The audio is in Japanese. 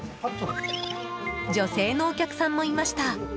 女性のお客さんもいました。